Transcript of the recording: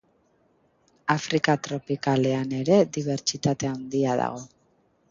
Afrika tropikalean ere dibertsitate handia dago.